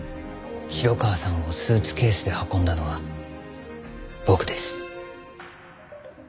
城川さんをスーツケースで運んだのは僕です。